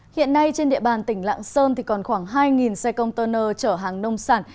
hiện nay trên địa bàn tỉnh lạng sơn thì còn khoảng hai xe công tơ nơ chở hàng nông sản